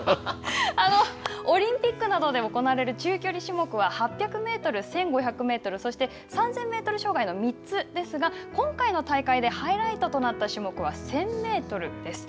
オリンピックなどで行われる中距離種目は８００メートル、１５００メートル、そして３０００メートル障害の３つですが今回の大会でハイライトとなった種目は１０００メートルです。